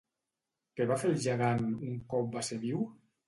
Què va fer el gegant un cop va ser viu?